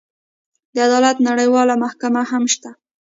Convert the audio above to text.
د عدالت نړیواله محکمه هم شته.